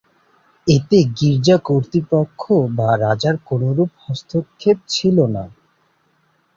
এতে গীর্জা কর্তৃপক্ষ বা রাজার কোনরূপ হস্তক্ষেপ ছিল না।